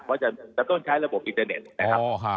เพราะจะต้องใช้ระบบอินเทอร์เน็ตนะครับ